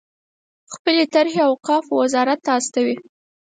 خپلې طرحې اوقافو وزارت ته استوي.